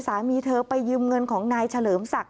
สามีเธอไปยืมเงินของนายเฉลิมศักดิ